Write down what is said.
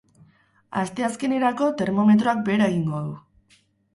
Asteazkenerako termometroak behera egingo du.